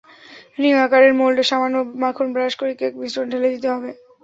Ring আকারের মোল্ডে সামান্য মাখন ব্রাশ করে কেক মিশ্রণ ঢেলে দিতে হবে।